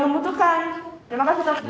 mereka butuhkan terima kasih